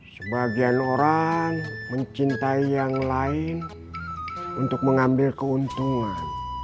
sebagian orang mencintai yang lain untuk mengambil keuntungan